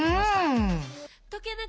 うん。